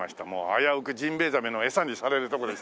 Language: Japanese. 危うくジンベエザメの餌にされるとこでしたね。